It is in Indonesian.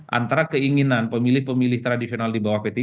karena keinginan pemilih pemilih tradisional di bawah p tiga